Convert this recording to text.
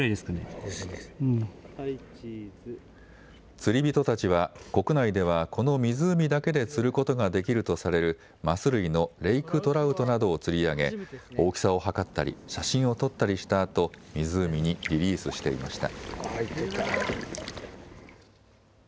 釣り人たちは国内ではこの湖だけで釣ることができるとされるマス類のレイクトラウトなどを釣り上げ大きさを測ったり写真を撮ったりしたあと湖にリリースしていました。